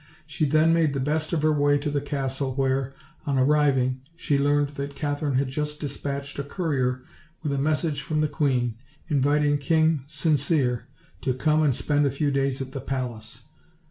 She then made the best of her way to the castle, where, on arriving, she learned that Katherine had just dispatched a courier with a mes sage from the queen, inviting King Sincere to come and spend a few days at the palace.